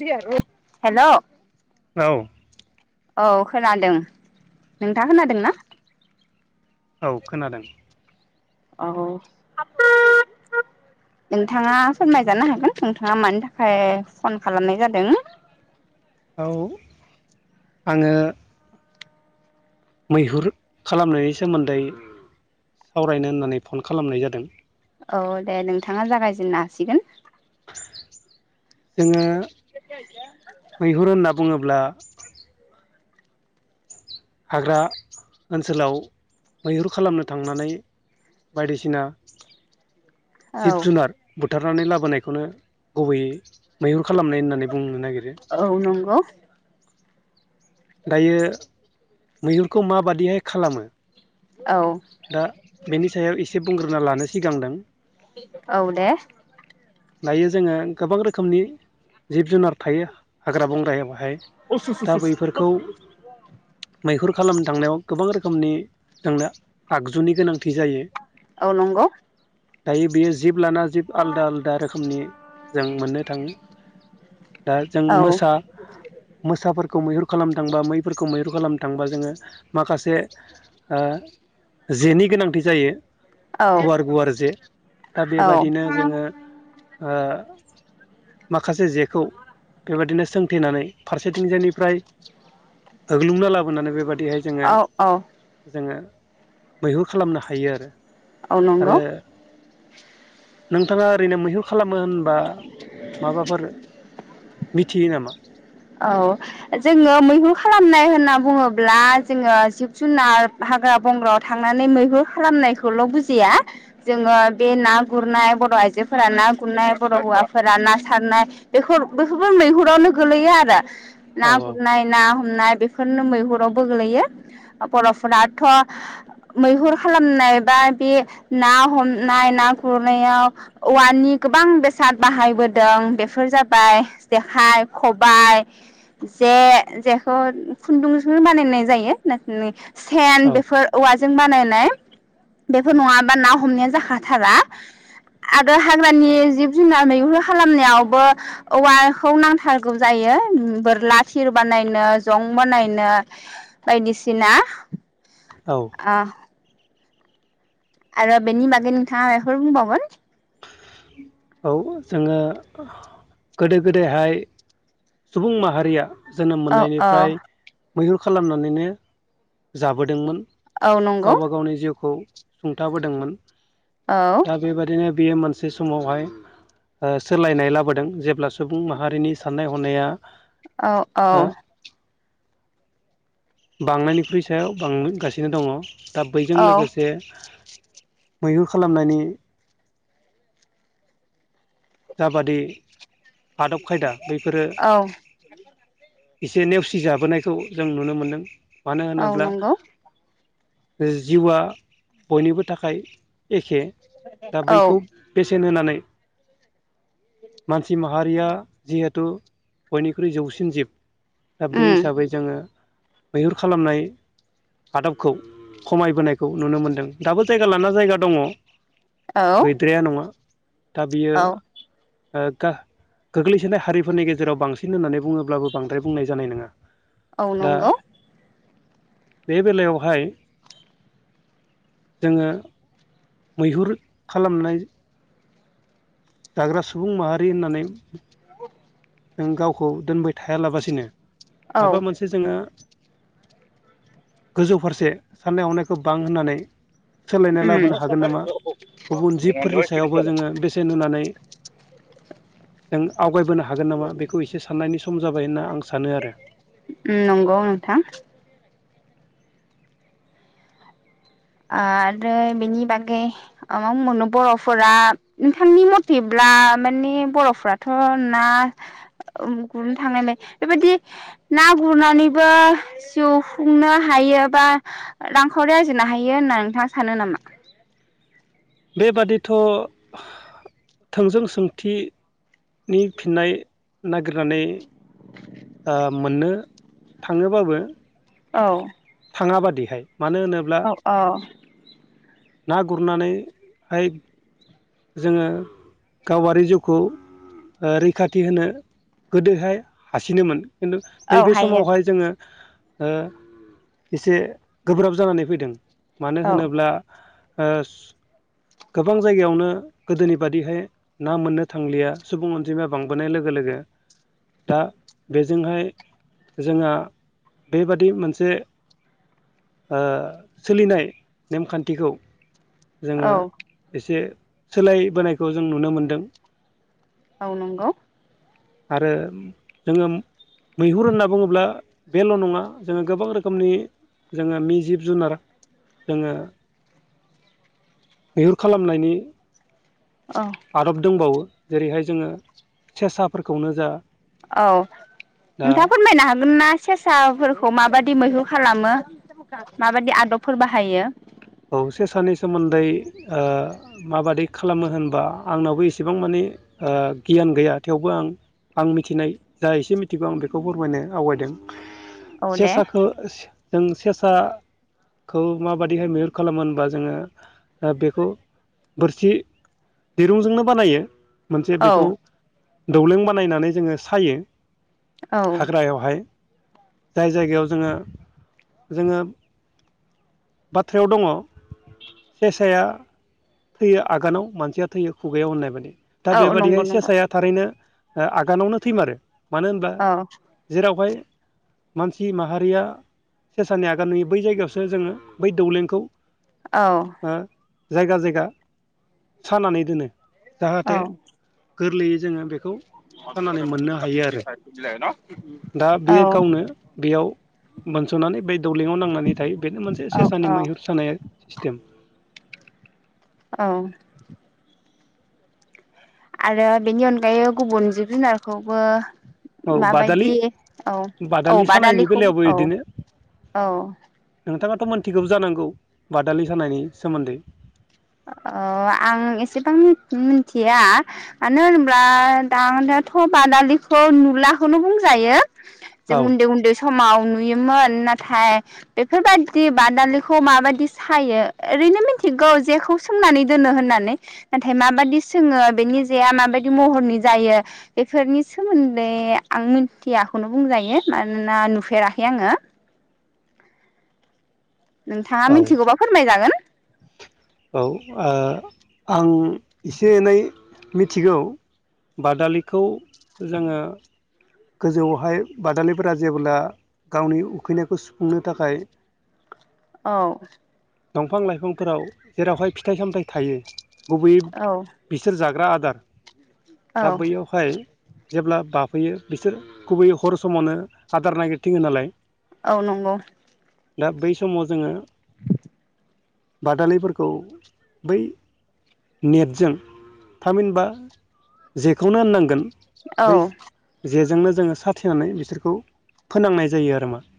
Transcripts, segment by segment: हेल' औ औ खोनादों नोंथाङ खोनादोंना? औ खोनादों। औ [inaudible] नोंथाङा फोरमायजानो हागोन नोंथाङा मानि थाखाय फन खालामनाय जादों। औ आङो। मैहुर खालामनायनि सोमोन्दै सावरायनो होननानै फन खालामनाय जादों। औ दे नोंथाङा जागायजेननो हासिगोन। जोङो। [unintelligible] ब्ला। हाग्रा ओनसोलाव मैहुर खालामनो थांनानै बायदिसिना औ जिब जुनार बुथ थारनानै लाबोनायखौनो गुबैयै मैहुर खालामनाय होननानै बुंनो नागिरो। औ नंगौ दायो। मैहुरखौ माबादिहाय खालामो? औ दा बेनि सायाव एसे बुंग्रोना लानोस तिगांदों। औ दे। दायो जोङो गोबां रोखोमनि जिब जुनार थायो। हाग्रा बंग्रायाहाय दा बैफोरखौ मैहुर । खालामनो थांनायाव गोबां रोखोमनि जोंनो आगजुनि गोनां औ नंगौ। दायो बेयो जिब लाना जिब आलदा आलदा रो नि जों मोननो थाङो दा जों औ मोसा मोसाफोर खौ मैहुर खालामनो थांबा मैफोरखौ मैहुर खालामनो थांबा जोङो माखासे ओ जेनि गोनांथि जायो। औ गुवार गुवार जे दा औ बेबादिनो जोङो। हो माखासे जेखौ बेबादिनो सोंथेनानै फारसेथिंजायनिफ्राय होग्लुंना लाबोनानै बेबादि दिहाय जोङो औ औ जोङो। मैहुर खालामनो हायो आरो। औ नंगौ। आरो नोंथाङा ओरैनो मैहुर खालामो होनबा माबाफोर। मिथियो नामा? औ जोङो मैहुर खालामनाय होनना बुङोब्ला जोङो जिब जुनार हाग्रा बंग्रायाव थांनानै मैहुर खालामनायखौल' बुजिया जोङो बे ना गुरनाय बर' आयजोफोरा ना गुरनाय बर' हुआफोरा ना सारनाय बेफोरबो मैहुर आवनो गोलैयो आरो [unintelligible] औ ना औ गुरनाय ना हमनाय बेफोरनो मैहुरावबो गोलैयो बरफोराथ मैहुर खालामनाय बा बे ना हमनाय ना गुरनायाव औवानि गोबां बेसाद बाहायबोदों बेफोर जाबाय जेखाइ खबायाइ जे जेखौ खुन्दुंजों बानायनाय जायो नों सेन औ बेफोर औवाजों बानायनाय बेफोर नङाबा ना हमनाया जाखाथारा आरो हाग्रानि जिब जुनार मैहुर खालामनायावबो औवाखौ नांथारगौ जायो बोरला थिर बानायनो जं बानायनो बायदिसिना औ आ आरो बेनि बागै नोंथाङा माबाफोर बुंबावगोन? औ जोङो गोदो गोदायहाय सुबुं माहारिया जोनोम औ मोननायनिफ्राय मैहुर खालामनानैनो जाबोदोंमोन औ नंगौ गावबा गावनि जिउखौ सुंथाबोदोंमोन औ दा बेबायदिनो बेयो मोनसे समावहाय ओ सोलायनाय लाबोदों जेब्ला सुबुं माहारिनि साननाय हनाया औ औ ओ बांनायनिख्रुइ सायाव बांगासिनो दङ दा बैजों औ लोगोसे मैहुर खालामनायनि [inaudible] जाबादि आदब खायदा बैफोरो औ एसे नेवसि जाबोनायखौ जों नुनो मोनदों मानो औ होनोब्ला नंगौ जिउआ बयनिबो थाखाय एखे दा औ बैखौ बेसेन होनानै मानसि माहारिया जिहेथु बयनिख्रुइ जौसिन जिब दा बे उम हिसाबै जोङो मैहुर खालामनाय आदबखौ खमायबोनायखौ नुनो मोनदों दाबो जायगा लाना जायगा दङ औ गैद्राया नङा दा बियो औ ओ गा गोग्लैसोनाय हारिफोरनि गेजेराव बांसिन होननानै बुङोब्लाबो बांद्राय बुंनाय जानाय नङा औ दा नंगौ बे बेलायावहाय [inaudible] जोङो मैहुर खालामनाय जाग्रा सुबुं माहारि होन्नानै [inaudible] जों गावखौ दोनबाय थाया लाबसिनो माबा औ मोनसे जोंङो गोजौ फारसे सान्नाय हनायखौ बां होन्नानै सोलायनाय लाबोनो उम हागोन नामा गुबुन जिबफोरनि सायावबो जोङो बेसेन होनानै जों आवगायबोनो हा गोन नामा बेखौ एसे साननायनि सम सम जाबायना आं सानो आरो उम नंगौ नोंथां। आरो बेनि बागै [unintelligible] बर'फोरा नोंथांनि मथेब्ला माने बर'फोराथ' ना गुरनो थांनायलाय बेबायाददि ना गुरनानैबो जिउ खुंनो हायो बा रांखावरि आरजिनो हाय हायो होना नोंथाङा सानो नामा? बेबादिथ' थोंजों सोंथिनि फिननाय नागिरनानै ओ मोन्नो थाङोबाबो औ थाङा बादिहाय मानो होनोब्ला औ औ ना गुरनानै हाय जोङो गावारि जिउखौ ओ रैखाथि होनो गोदोहाय हासिनोमोन। खिन्थु औ नैबे हायो समावहाय जोङो ओ एसे गोब्राब जानानै फैदों। मानो औ होनोब्ला ओ गोबां जायगायावनो गोदोनि बादिहाय ना मोन्नो थांलिया सुबुं अनजिमाया बांबोनाय लोगो लोगो दा बेजोंहाय जोंहा बेबादि मोनसे ओ सोलिनाय नेमखान्थिखौ जोङो औ एसे सोलायबोनायखौ जों नुनो मोनदों। औ नंगौ। आरो जोङो मैहुर होन्ना बुङोब्ला बेल' नङा जोङो गोबां रोखोमनि जोङो मि जिब जुनार जोङो मैहुर खालामनायनि औ आदब दंबावो जेरैहाय जोङो सेसाफोरखौनो जा औ दा नोंथाङा फोरमायनो हागोन ना? सेसाफोरखौ माबादि मैहुर खालामो माबादि आदबफोर बाहायो? औ सेसानि सोमोन्दै ओ माबादि खालामो होनबा आंनावबो एसेबां मानि ओ गियान गैया थेवबो आं आं मिथिनाय जा एसे मिथिगौ आं बेखौ फोरमायनो आवगायदों औ दे सेेसाखो जों सेसाखो माबादिहाय मैहुर खालामो होनबा जोङो ओ बेखौ बोरसि दिरुंजोंनो बानायो मोनसे औ बेखौ दौलें बानायनानै जोङो सायो। औ हाग्रायावहाय जाय जायगायाव जोङो जोङो बाथ थ्रायाव दङ सेसाया थैयो आगानाव मानसिया थैयो खुगायाव होननाय बायदि दा औ नंगौ बेबादिहाय नंगौ सेसाया थारैनो ओ आगानावनो थैमारो। मानो होनबा औ जेरावहाय मानसि माहारिया सेसानि आगान नुयो बै जायगायावसो जोङो बै दौलेंखौ औ ओ जायगा जायगा सानानै दोनो औ जाहाथे गोरलैयै जोङो बेखौ सानानै मोननो हायो आरो औ बानस'नानै बै दौलेङाव नांनानै थायो बेनो मोनसे सेसानि औ मैहुर सानाय सिस्टेम। औ आरो बेनि अनगायै गुबुन जिब जुनारखौबो औ बादालि माबायदि औ औ बादालि सानायनि बादालिखौबो बेलायावबो औ बिदिनो औ नोंथाङाथ मोनथिगौ जानांगौ बादालि सानायनि सोमोन्दै अ आं एसेबां मिथिया मानो होनब्ला दानाथ बादालिखौ नुलाखौनो बुंजायो औ जों उन्दै उन्दै समाव नुयोमोन नाथाय बेफोरबायदि बादालिखौ माबायदि सायो ओरैनो मिथिगौ जेखौ सोंनानै दोनो होननानै नाथाय माबादि सोङो बेनि जेआ माबायदि महरनि जायो बेफोरनि सोमोन्दै आं मिथियाखौनो बुंजायो मानोना नुफेराखै आङो। नोंथाङा औ मिथिगौबा फोरमायजागोन। औ आं एसे एनै मिथिगौ बादालिखौ जोङो गोजौआवहाय बादालिफोरा जेब्ला गावनि उखैनायखौ सुफुंनो थाखाय औ दंफां लाइफांफोराव जेरावहाय फिथाइ सामथाइ थायो गुबैयै औ बिसोर जाग्रा आ दार औ दा बैयावहाय जेब्ला बाफैयो। बिसोर गुबैयै हर समावनो आदार नागिरथिङो नालाय। औ नंगौ। दा बै समाव जोङो। । [inaudible] बादालिफोरखौ बै नेटजों थामहिनबा जेखौनो होननांगोन। औ। बै जेजोंनो जोङो साथेनानै बिसोरखौ फोनांनाय जायो आरो माने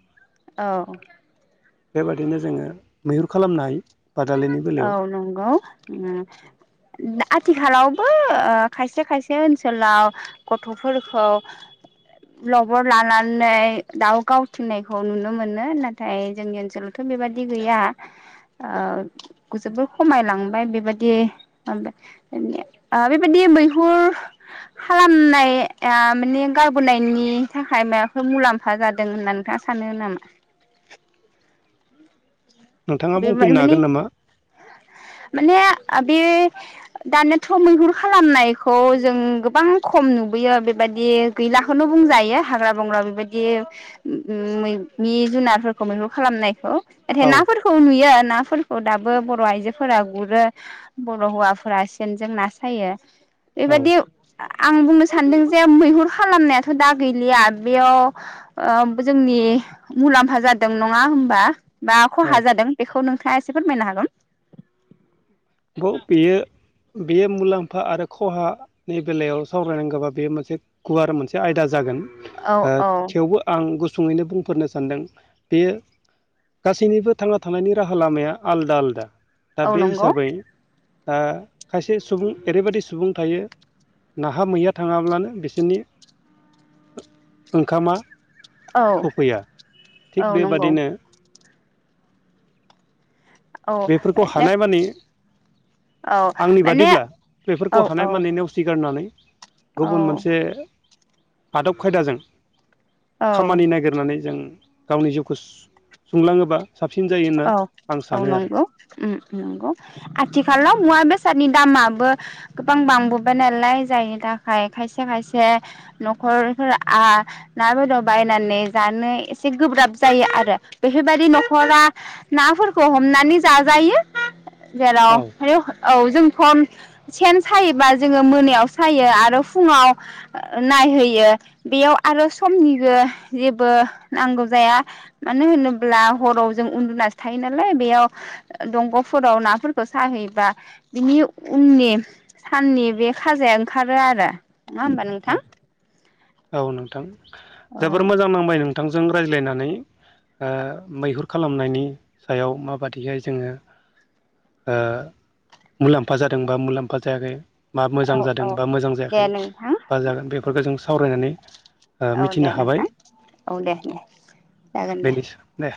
औ। बेबादिनो जोङो मैहुर खालामनोहायो। औ नंगौ [unintelligible] आथिखालावबो खायसे खायसे ओनसोलाव गथ'फोरखौ लबर लानानै दाउ गावथिंनायखौ नुनो मोनो नाथाय जोंनि ओनसोलावथ' बेबादि गैया ओ।। जोबोर खमायलांबाय बेबायदि बेबायदि मैहुर खालामनाय माने गारबोनायनि थाखाय माबाफोर मुलाम्फा जादों होनना नोंथाङा सानो नामा। नोंथाङा बे बुंफिननो माने हागोन नामा। माने बे दानियाथ' मैहुर खालामनायखौ जों गोबां खम नुबोयो बेबायदि गैलाखौनो बुंजायो हाग्रा बंग्रा बेबायदि मैनि जुनारफोरखौ मैहुर खालामनायखौ। औ। सुयो नाफोरखौ दाबो बर' आइजोफोरा गुरो बर' हौवाफोरा सेनजों ना सायो। औ बेबायदि। आं बुंनो सानदों जे मैहुर खालामनायाथ' दा गैलिया बेयाव जोंनि मुलाम्फा जादों नङा हबा। औ खहा जादों बेखौ नों। नोंथांडा एसे फोरमायनो हागोन। ब' बेयो बेयो मुलाम्फा आरो खहानि बेलायाव सावरायनांगौबा बेयो मोनसे गुवार मोनसे आयदा जागोन। औ ओ औ थेवबो आं । गुसुङैनो बुंफोरनो सानदों बे गासैनिबो थांना थानायनि राहा लामाया आलादा आलदा। दा औ बे नंगौ हिसाबै ओ खायसे सुबुं ओरैबायदि सुबुं थायो नाहा मैया थाङाब्लानो बिसोरनि ओंखामा औ सफैया औ थिग नंगौ बेबादिनो औ बेफोरखौ माने हानाय माने औ आंनि माने बादिब्ला औ बेफोरखौ हानाय माने नेवसिगारनानै गुबुन औ मोनसे आदब खायदाजों औ खामानि नागिरनानै जों गावनि जिउखौ सुंलाङोबा साबसिन जायो होन्ना औ आं औ सानो आरो‌ नंगौ उम नंगौ आथिखााल मुवा बे बेसादनि दामाबो गोबां बांबोबाय नालाय जायनि थाखाय खायसे खायसे न'खरफोरा आ ना बेदर बायनानै जानो एसे गोब्राब जायो आरो बेफोरबायदि न'खरा नाफोरखौ हमनानै जाजायो। जेराव औ ह औ जों सम सेन सायोबा जोङो मोनायाव सायो आरो फुङाव नायहोयो बेयाव आरो समनिबो जेबो नांगौ जाया मानो होनोब्ला हराव जों उन्दुनासो थायो नालाय बेयाव दंग'फोराव नाफोरखौ साहैबा बिनि उननि साननि बे खाजाया ओंखारो आरो नङा होमबा नोथां। औ नोंथां। जोबोर मोजां नांबाय नों थांजों रायज्लायनानै मैहुर खालामनायनि सायाव माबादिहाय जोङो ओ मुलाम्फा जादोंबा मुलाम्फा जायाखै मा औ मोजां जादों औ बा मोजां जायाखै दे नोंथां बा जागोन बेफोरखौ जों सावरायनानै ओ औ दे मिथिनो हाबाय नोंथां औ दे दे जागोन दे। बेनि